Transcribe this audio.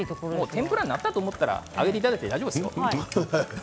天ぷらなったと思ったら上げていただいて大丈夫ですよ。